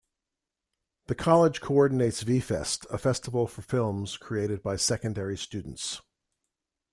The college coordinates V-Fest, a festival for films created by secondary students.